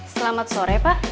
selamat sore pak